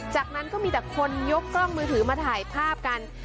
จากนั้นก็มีแต่คนยกกล้องมือถือมาถ่ายภาพกัน